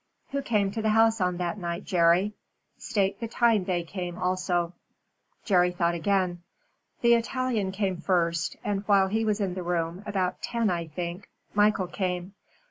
"Who came to the house on that night, Jerry? State the time they came also." Jerry thought again. "The Italian came first, and while he was in the room, about ten I think, Michael came.